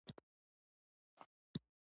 غرونه اوبه ساتي.